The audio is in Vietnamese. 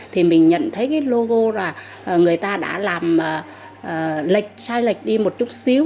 thì mình nhận thấy cái logo là người ta đã làm lệch sai lệch đi một chút xíu